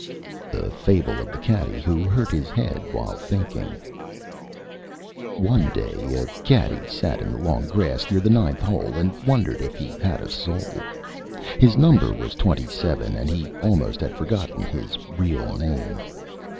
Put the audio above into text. _ THE FABLE OF THE CADDY WHO HURT HIS HEAD WHILE THINKING One Day a Caddy sat in the Long Grass near the Ninth Hole and wondered if he had a Soul. His Number was 27, and he almost had forgotten his Real Name.